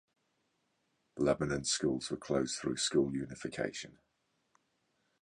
Lebanon schools were closed through school unification.